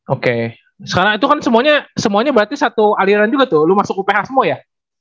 oke sekarang itu kan semuanya berarti satu aliran juga tuh lu masuk uph semua ya